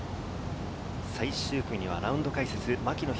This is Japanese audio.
最終組にはラウンド解説・牧野裕